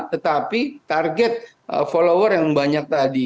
tetapi target follower yang banyak tadi